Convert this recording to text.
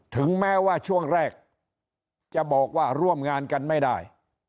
ถึงแม้ว่าช่วงแรกจะบอกว่าร่วมงานกันไม่ได้